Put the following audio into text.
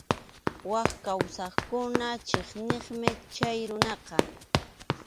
Wak kawsaqkuna chiqniqmi chay runaqa.